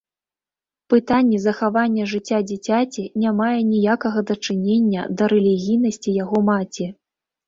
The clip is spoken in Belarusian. Пытанне захавання жыцця дзіцяці не мае ніякага дачынення да рэлігійнасці яго маці.